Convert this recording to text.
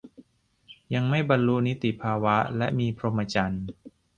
ยังไม่บรรลุนิติภาวะและมีพรหมจรรย์